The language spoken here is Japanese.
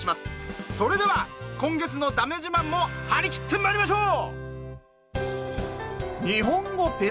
それでは今月の「だめ自慢」も張り切ってまいりましょう！